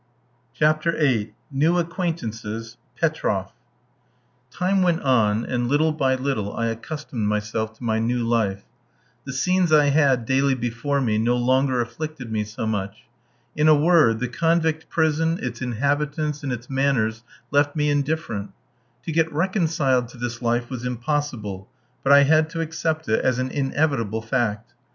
CHAPTER VIII. NEW ACQUAINTANCES PETROFF Time went on, and little by little I accustomed myself to my new life. The scenes I had daily before me no longer afflicted me so much. In a word, the convict prison, its inhabitants, and its manners, left me indifferent. To get reconciled to this life was impossible, but I had to accept it as an inevitable fact.